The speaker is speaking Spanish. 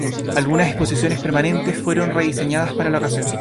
Algunas exposiciones permanentes fueron rediseñadas para la ocasión.